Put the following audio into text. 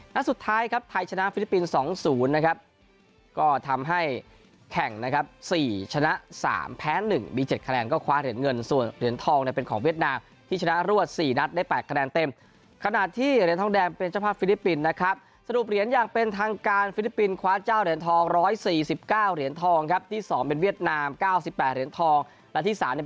วันสุดท้ายครับไทยชนะฟิลิปปินส์สองศูนย์นะครับก็ทำให้แข่งนะครับสี่ชนะสามแพ้หนึ่งมีเจ็ดคะแนนก็คว้าเหรียญเงินส่วนเหรียญทองได้เป็นของเวียดนามที่ชนะรวดสี่นัดได้แปดคะแนนเต็มขณะที่เหรียญทองแดงเป็นเจ้าภาพฟิลิปปินส์นะครับสรุปเหรียญอย่างเป็นทางการฟิลิปปินส์คว้าเจ้าเหรี